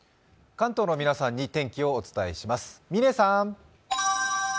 関東の皆さんに天気をお伝えします。